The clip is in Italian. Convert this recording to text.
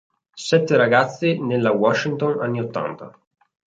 Sette ragazzi nella Washington anni ottanta.